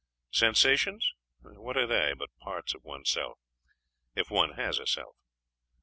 Sensations? What are they, but parts of oneself if one has a self!